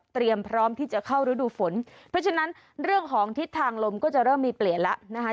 พร้อมที่จะเข้าฤดูฝนเพราะฉะนั้นเรื่องของทิศทางลมก็จะเริ่มมีเปลี่ยนแล้วนะคะ